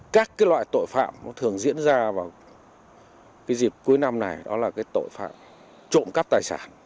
các loại tội phạm thường diễn ra vào dịp cuối năm này đó là tội phạm trộm cắp tài sản